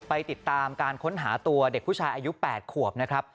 ติดตามการค้นหาตัวเด็กผู้ชายอายุ๘ขวบนะครับ